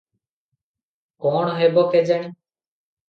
କଣ ହେବ କେଜାଣି?